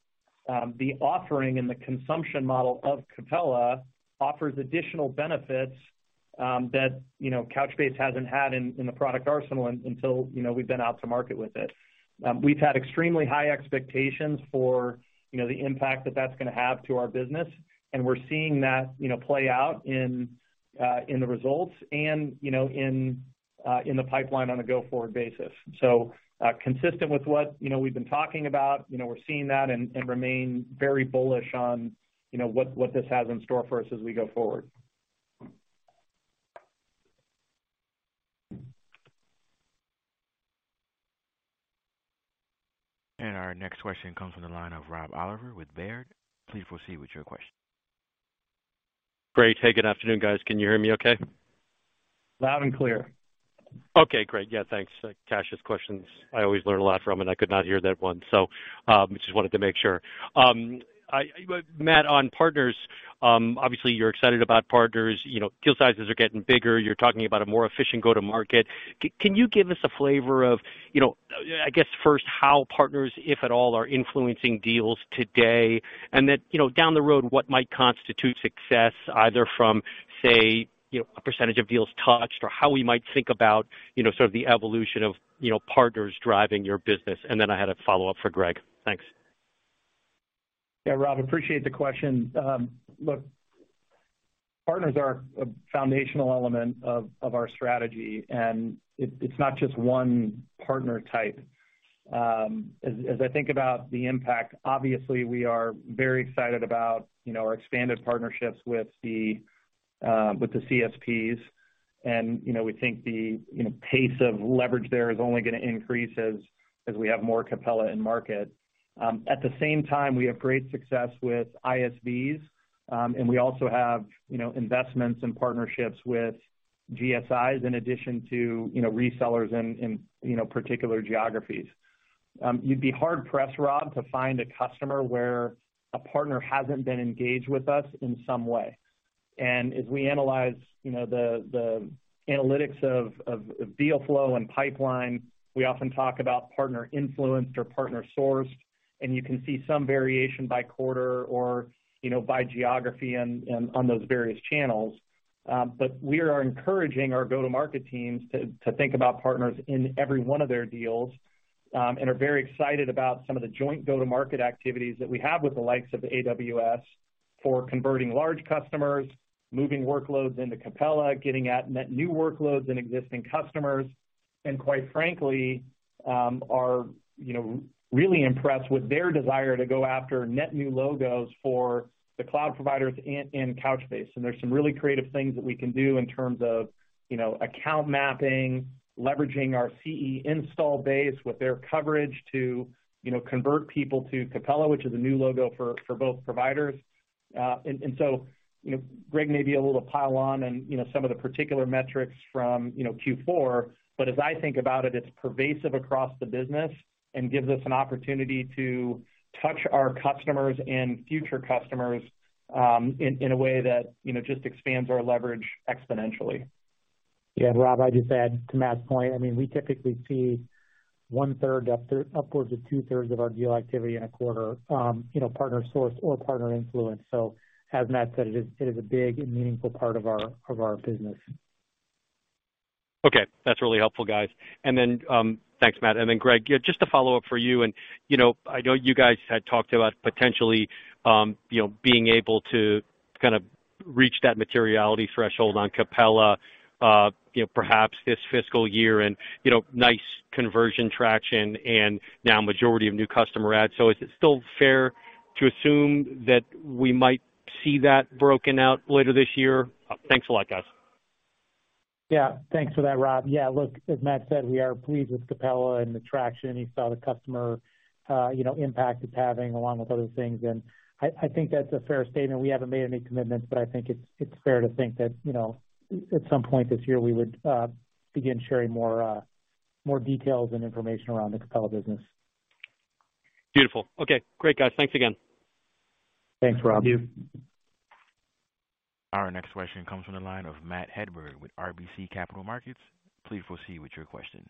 the offering and the consumption model of Capella offers additional benefits that, you know, Couchbase hasn't had in the product arsenal until, you know, we've been out to market with it. We've had extremely high expectations for, you know, the impact that that's gonna have to our business, and we're seeing that, you know, play out in the results and, you know, in the pipeline on a go-forward basis. Consistent with what, you know, we've been talking about, you know, we're seeing that and remain very bullish on, you know, what this has in store for us as we go forward. Our next question comes from the line of Rob Oliver with Baird. Please proceed with your question. Great. Hey, good afternoon, guys. Can you hear me okay? Loud and clear. Okay, great. Yeah, thanks. Kash's questions I always learn a lot from, and I could not hear that one, so, just wanted to make sure. Matt, on partners, obviously you're excited about partners. You know, deal sizes are getting bigger. You're talking about a more efficient go-to-market. Can you give us a flavor of, you know, I guess first, how partners, if at all, are influencing deals today, and then, you know, down the road, what might constitute success either from, say, you know, a percentage of deals touched or how we might think about, you know, sort of the evolution of, you know, partners driving your business? I had a follow-up for Greg. Thanks. Yeah. Rob, appreciate the question. Look, partners are a foundational element of our strategy, and it's not just one partner type. As I think about the impact, obviously we are very excited about, you know, our expanded partnerships with the CSPs. You know, we think the, you know, pace of leverage there is only gonna increase as we have more Capella in market. At the same time, we have great success with ISVs, and we also have, you know, investments and partnerships with GSIs in addition to, you know, resellers in, you know, particular geographies. You'd be hard-pressed, Rob, to find a customer where a partner hasn't been engaged with us in some way. As we analyze, you know, the analytics of, of deal flow and pipeline, we often talk about partner influenced or partner sourced, and you can see some variation by quarter or, you know, by geography on, on those various channels. But we are encouraging our go-to-market teams to think about partners in every one of their deals, and are very excited about some of the joint go-to-market activities that we have with the likes of AWS for converting large customers, moving workloads into Capella, getting at net new workloads and existing customers, and quite frankly, are, you know, really impressed with their desire to go after net new logos for the cloud providers and Couchbase. There's some really creative things that we can do in terms of, you know, account mapping, leveraging our CE install base with their coverage to, you know, convert people to Capella, which is a new logo for both providers. You know, Greg may be able to pile on, you know, some of the particular metrics from, you know, Q4, but as I think about it's pervasive across the business and gives us an opportunity to touch our customers and future customers in a way that, you know, just expands our leverage exponentially. Yeah. Rob, I'd just add to Matt's point, I mean, we typically see 1/3 upwards of 2/3 of our deal activity in a quarter, you know, partner-sourced or partner-influenced. As Matt said, it is, it is a big and meaningful part of our, of our business. Okay, that's really helpful, guys. Then. Thanks, Matt. Then Greg, yeah, just a follow-up for you. You know, I know you guys had talked about potentially, you know, being able to kind of reach that materiality threshold on Capella, you know, perhaps this fiscal year and, you know, nice conversion traction and now majority of new customer add. Is it still fair to assume that we might see that broken out later this year? Thanks a lot, guys. Thanks for that, Rob. Yeah, look, as Matt said, we are pleased with Capella and the traction you saw the customer, you know, impact it's having along with other things. I think that's a fair statement. We haven't made any commitments, but I think it's fair to think that, you know, at some point this year, we would begin sharing more details and information around the Capella business. Beautiful. Okay, great, guys. Thanks again. Thanks, Rob. Thank you. Our next question comes from the line of Matthew Hedberg with RBC Capital Markets. Please proceed with your question.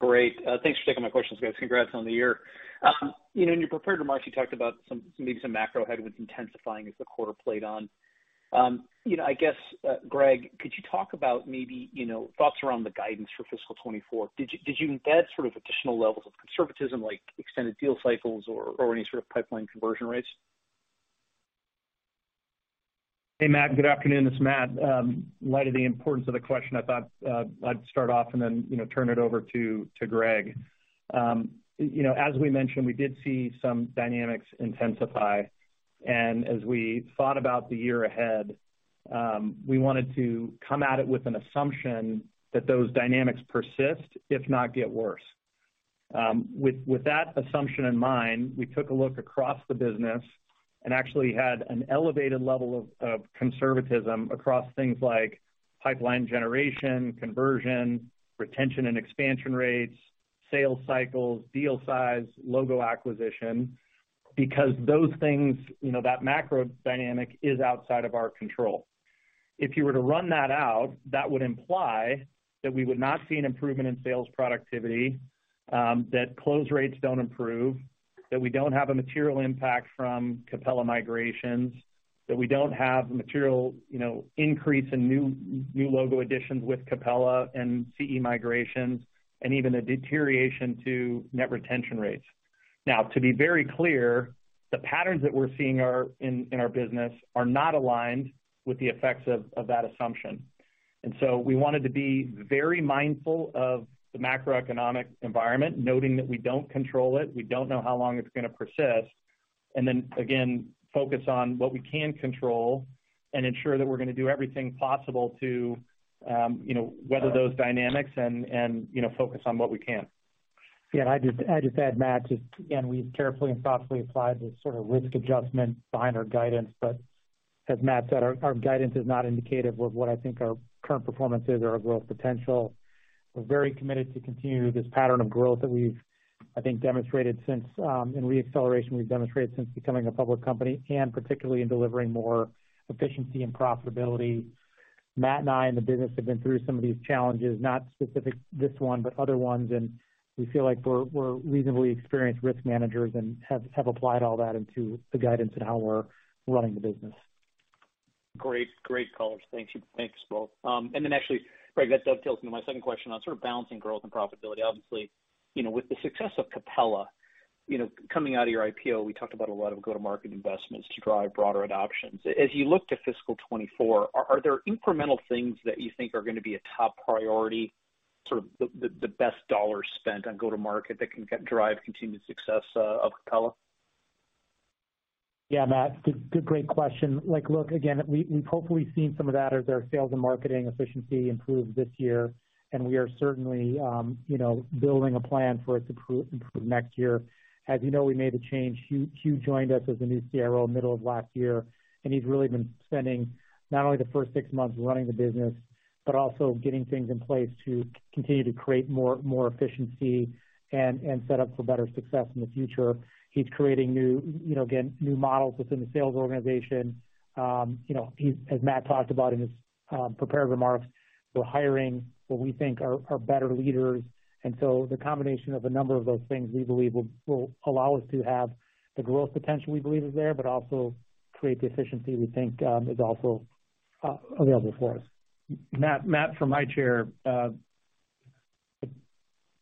Great. Thanks for taking my questions, guys. Congrats on the year. You know, in your prepared remarks, you talked about some, maybe some macro headwinds intensifying as the quarter played on. You know, I guess, Greg, could you talk about maybe, you know, thoughts around the guidance for fiscal year 2024? Did you embed sort of additional levels of conservatism like extended deal cycles or any sort of pipeline conversion rates? Hey, Matt. Good afternoon. This is Matt. In light of the importance of the question, I thought I'd start off and then, you know, turn it over to Greg. You know, as we mentioned, we did see some dynamics intensify. As we thought about the year ahead, we wanted to come at it with an assumption that those dynamics persist, if not get worse. With that assumption in mind, we took a look across the business and actually had an elevated level of conservatism across things like pipeline generation, conversion, retention and expansion rates, sales cycles, deal size, logo acquisition, because those things, you know, that macro dynamic is outside of our control. If you were to run that out, that would imply that we would not see an improvement in sales productivity, that close rates don't improve, that we don't have a material impact from Capella migrations, that we don't have material, you know, increase in new logo additions with Capella and CE migrations, and even a deterioration to net retention rates. Now, to be very clear, the patterns that we're seeing are in our business are not aligned with the effects of that assumption. So we wanted to be very mindful of the macroeconomic environment, noting that we don't control it. We don't know how long it's gonna persist. Then, again, focus on what we can control and ensure that we're gonna do everything possible to, you know, weather those dynamics and, you know, focus on what we can. Yeah, I'd just add, Matt, just, again, we carefully and thoughtfully applied the sort of risk adjustment behind our guidance. As Matt said, our guidance is not indicative of what I think our current performance is or our growth potential. We're very committed to continue this pattern of growth that we've, I think, demonstrated since in re-acceleration we've demonstrated since becoming a public company, and particularly in delivering more efficiency and profitability. Matt and I in the business have been through some of these challenges, not specific this one, but other ones, and we feel like we're reasonably experienced risk managers and have applied all that into the guidance and how we're running the business. Great. Great colors. Thank you. Thanks, both. Then actually, Greg, that dovetails into my second question on sort of balancing growth and profitability. Obviously, you know, with the success of Capella, you know, coming out of your IPO, we talked about a lot of go-to-market investments to drive broader adoptions. As you look to fiscal year 2024, are there incremental things that you think are gonna be a top priority, sort of the best dollar spent on go-to-market that can get drive continued success of Capella? Matt. Good, great question. Like, look, again, we've hopefully seen some of that as our sales and marketing efficiency improved this year, and we are certainly, you know, building a plan for it to improve next year. As you know, we made the change. Huw joined us as the new Chief Revenue Officer middle of last year, and he's really been spending not only the first six months running the business, but also getting things in place to continue to create more efficiency and set up for better success in the future. He's creating new, you know, again, new models within the sales organization. You know, as Matt talked about in his prepared remarks, we're hiring what we think are better leaders. The combination of a number of those things we believe will allow us to have the growth potential we believe is there, but also create the efficiency we think, is also available for us. Matt, from my chair,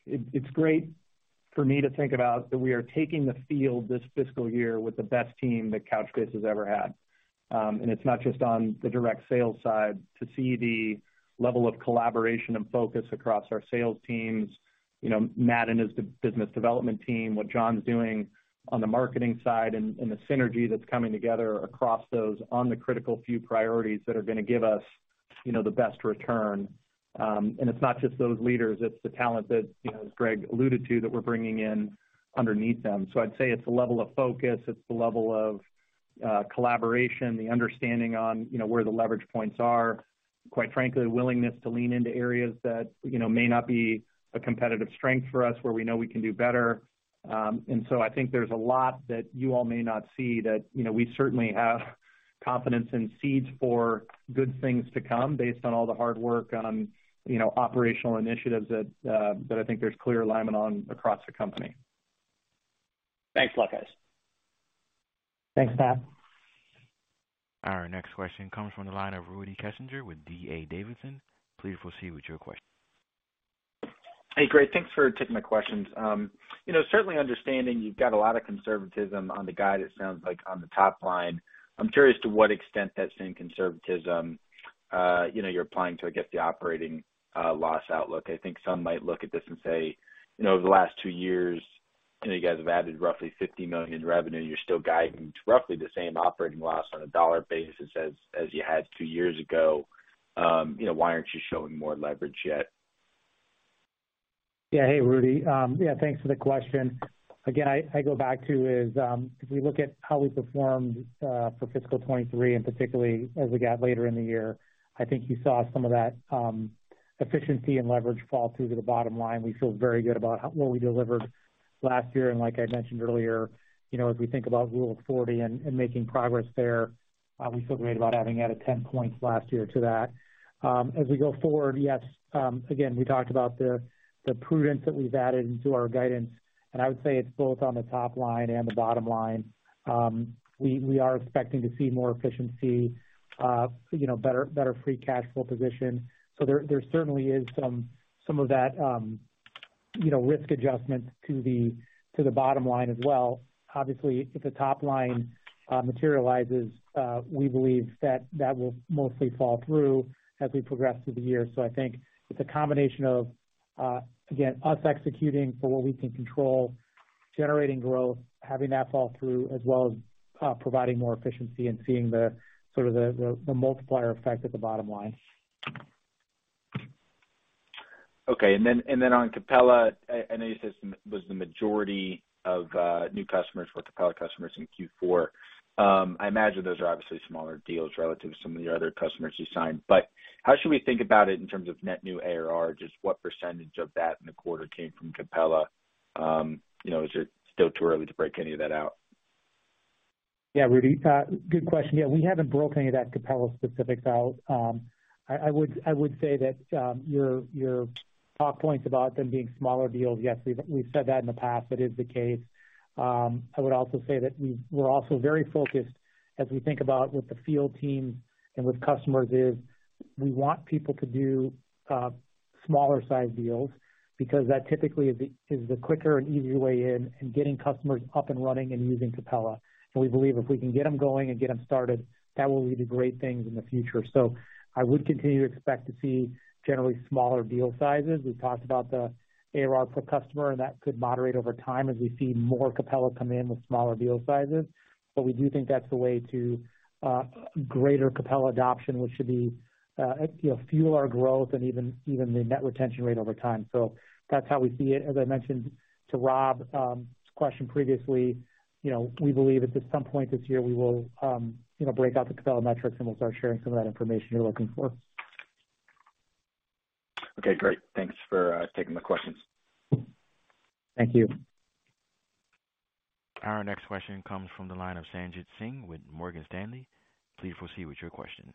it's great for me to think about that we are taking the field this fiscal year with the best team that Couchbase has ever had. It's not just on the direct sales side to see the level of collaboration and focus across our sales teams. You know, Matt and his business development team, what John's doing on the marketing side and the synergy that's coming together across those on the critical few priorities that are gonna give us, you know, the best return. It's not just those leaders, it's the talent that, you know, as Greg alluded to, that we're bringing in underneath them. I'd say it's the level of focus, it's the level of collaboration, the understanding on, you know, where the leverage points are, quite frankly, willingness to lean into areas that, you know, may not be a competitive strength for us, where we know we can do better. I think there's a lot that you all may not see that, you know, we certainly have confidence and seeds for good things to come based on all the hard work on, you know, operational initiatives that I think there's clear alignment on across the company. Thanks a lot, guys. Thanks, Matt. Our next question comes from the line of Rudy Kessinger with D.A. Davidson. Please proceed with your question. Hey, great. Thanks for taking my questions. You know, certainly understanding you've got a lot of conservatism on the guide, it sounds like, on the top-line. I'm curious to what extent that same conservatism, you know, you're applying to, I guess, the operating loss outlook. I think some might look at this and say, you know, over the last two years, you know, you guys have added roughly $50 million in revenue. You're still guiding to roughly the same operating loss on a dollar basis as you had two years ago. You know, why aren't you showing more leverage yet? Yeah. Hey, Rudy. Yeah, thanks for the question. Again, I go back to is, if we look at how we performed for fiscal year 2023, and particularly as we got later in the year, I think you saw some of that efficiency and leverage fall through to the bottom-line. We feel very good about what we delivered last year. Like I mentioned earlier, you know, as we think about Rule of 40 and making progress there, we feel great about having added 10 points last year to that. As we go forward, yes, again, we talked about the prudence that we've added into our guidance, and I would say it's both on the top line and the bottom line. We are expecting to see more efficiency, you know, better free cash flow position. There certainly is some, you know, risk adjustment to the bottom-line as well. Obviously, if the top-line materializes, we believe that that will mostly fall through as we progress through the year. I think it's a combination of again, us executing for what we can control, generating growth, having that fall through, as well as providing more efficiency and seeing the sort of the multiplier effect at the bottom-line. Okay. Then on Capella, I know you said it was the majority of new customers were Capella customers in Q4. I imagine those are obviously smaller deals relative to some of the other customers you signed, but how should we think about it in terms of net new ARR? Just what % of that in the quarter came from Capella? You know, is it still too early to break any of that out? Yeah, Rudy, good question. Yeah, we haven't broke any of that Capella specifics out. I would say that your talk points about them being smaller deals. Yes, we've said that in the past. That is the case. I would also say that we're also very focused as we think about with the field team and with customers is we want people to do smaller sized deals because that typically is the quicker and easier way in getting customers up and running and using Capella. We believe if we can get them going and get them started, that will lead to great things in the future. I would continue to expect to see generally smaller deal sizes. We've talked about the ARR per customer, and that could moderate over time as we see more Capella come in with smaller deal sizes. We do think that's the way to greater Capella adoption, which should be, you know, fuel our growth and even the net retention rate over time. That's how we see it. As I mentioned to Rob, question previously, you know, we believe at some point this year we will, you know, break out the Capella metrics, and we'll start sharing some of that information you're looking for. Okay, great. Thanks for taking the questions. Thank you. Our next question comes from the line of Sanjit Singh with Morgan Stanley. Please proceed with your question.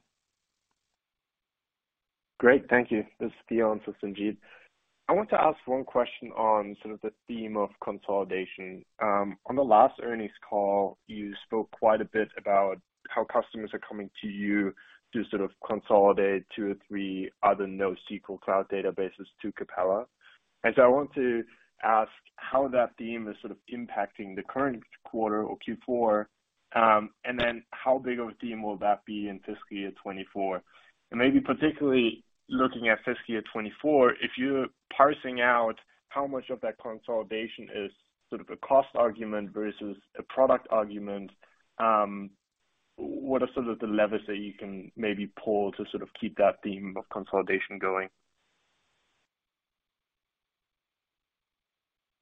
Great. Thank you. This is Dion for Sanjit. I want to ask one question on sort of the theme of consolidation. On the last earnings call, you spoke quite a bit about how customers are coming to you to sort of consolidate two or three other NoSQL cloud databases to Capella. I want to ask how that theme is sort of impacting the current quarter or Q4, and then how big of a theme will that be in fiscal year 2024? Maybe particularly looking at fiscal year 2024, if you're parsing out how much of that consolidation is sort of a cost argument versus a product argument, what are some of the levers that you can maybe pull to sort of keep that theme of consolidation going?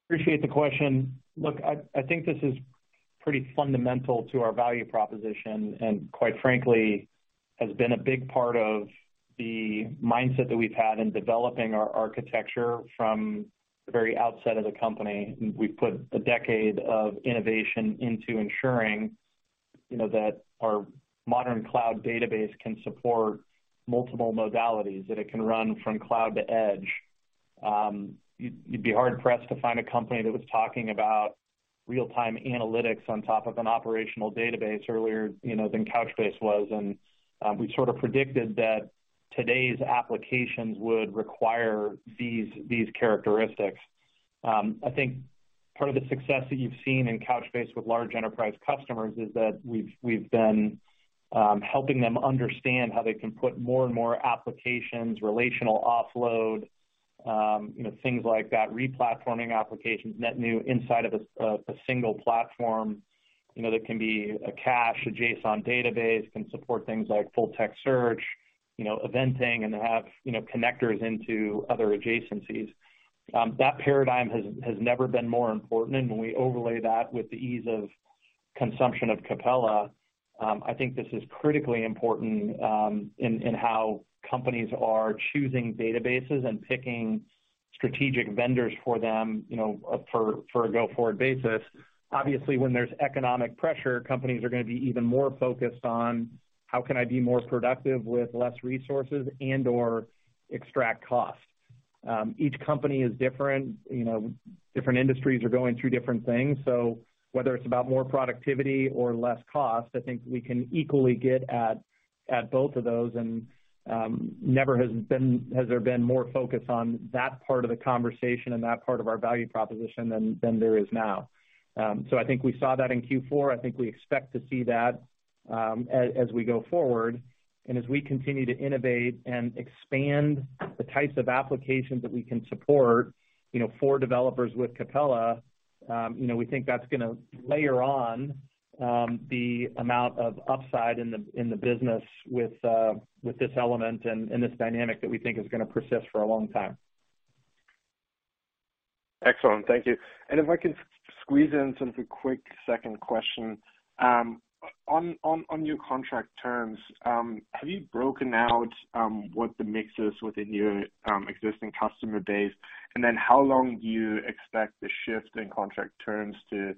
Appreciate the question. Look, I think this is pretty fundamental to our value proposition, quite frankly, has been a big part of the mindset that we've had in developing our architecture from the very outset of the company. We've put a decade of innovation into ensuring, you know, that our modern cloud database can support multiple modalities, that it can run from cloud to edge. You'd be hard-pressed to find a company that was talking about real-time analytics on top of an operational database earlier, you know, than Couchbase was. We sort of predicted that today's applications would require these characteristics. I think part of the success that you've seen in Couchbase with large enterprise customers is that we've been helping them understand how they can put more and more applications, relational offload, you know, things like that, re-platforming applications, net new inside of a single platform, you know, that can be a cache, a JSON database, can support things like full-text search, you know, eventing, and have, you know, connectors into other adjacencies. That paradigm has never been more important. When we overlay that with the ease of consumption of Capella, I think this is critically important in how companies are choosing databases and picking strategic vendors for them, you know, for a go-forward basis. When there's economic pressure, companies are gonna be even more focused on how can I be more productive with less resources and/or extract costs. Each company is different. You know, different industries are going through different things. Whether it's about more productivity or less cost, I think we can equally get at both of those. Never has there been more focus on that part of the conversation and that part of our value proposition than there is now. I think we saw that in Q4. I think we expect to see that as we go forward. As we continue to innovate and expand the types of applications that we can support, you know, for developers with Capella, you know, we think that's gonna layer on the amount of upside in the business with this element and this dynamic that we think is gonna persist for a long time. Excellent. Thank you. If I can squeeze in sort of a quick second question? On, on your contract terms, have you broken out what the mix is within your existing customer base? Then how long do you expect the shift in contract terms to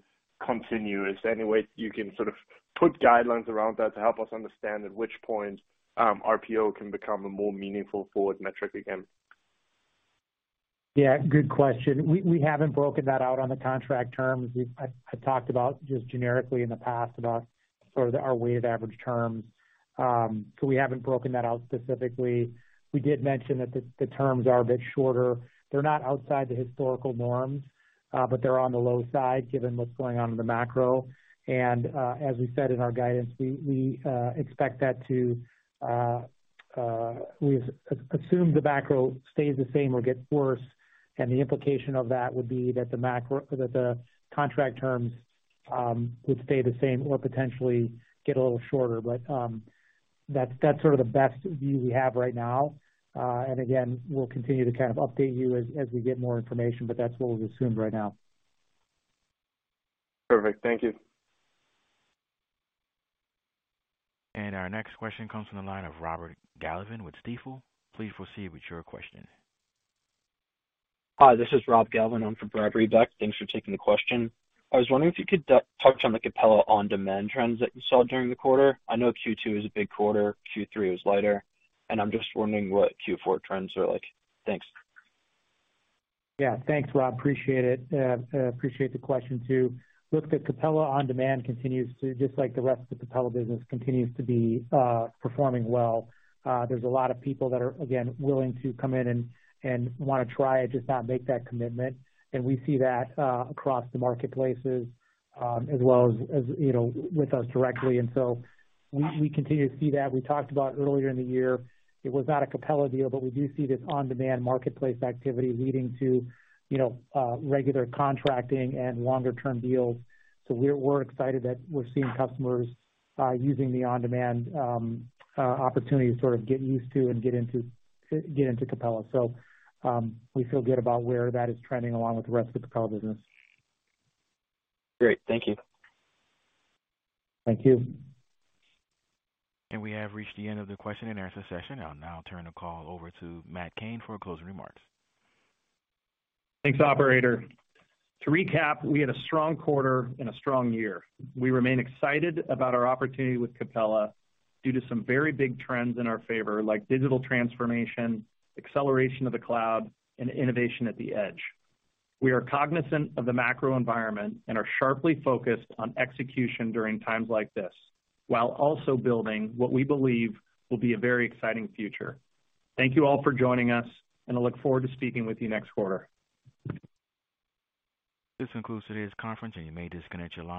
continue? Is there any way you can sort of put guidelines around that to help us understand at which point RPO can become a more meaningful forward metric again? Yeah, good question. We haven't broken that out on the contract terms. I talked about just generically in the past about sort of our weighted average terms. We haven't broken that out specifically. We did mention that the terms are a bit shorter. They're not outside the historical norms, but they're on the low side, given what's going on in the macro. As we said in our guidance, we expect that to we've assumed the macro stays the same or gets worse. The implication of that would be that the contract terms would stay the same or potentially get a little shorter. That's sort of the best view we have right now. Again, we'll continue to kind of update you as we get more information, but that's what we've assumed right now. Perfect. Thank you. Our next question comes from the line of Brad Reback with Stifel. Please proceed with your question. Hi, this is Brad Reback. I'm from Stifel. Thanks for taking the question. I was wondering if you could touch on the Capella On-Demand trends that you saw during the quarter. I know Q2 is a big quarter, Q3 was lighter, and I'm just wondering what Q4 trends are like. Thanks. Yeah. Thanks, Rob. Appreciate it. Appreciate the question too. Look, the Capella On-Demand, just like the rest of the Capella business, continues to be performing well. There's a lot of people that are, again, willing to come in and wanna try it, just not make that commitment. We see that across the marketplaces, as well as, you know, with us directly. We continue to see that. We talked about earlier in the year, it was not a Capella deal, we do see this on-demand marketplace activity leading to, you know, regular contracting and longer-term deals. We're excited that we're seeing customers using the on-demand opportunity to sort of get used to and get into Capella. We feel good about where that is trending along with the rest of the Capella business. Great. Thank you. Thank you. We have reached the end of the question-and-answer session. I'll now turn the call over to Matt Cain for closing remarks. Thanks, Operator. To recap, we had a strong quarter and a strong year. We remain excited about our opportunity with Capella due to some very big trends in our favor, like digital transformation, acceleration of the cloud, and innovation at the edge. We are cognizant of the macro environment and are sharply focused on execution during times like this, while also building what we believe will be a very exciting future. Thank you all for joining us and I look forward to speaking with you next quarter. This concludes today's conference. You may disconnect your line.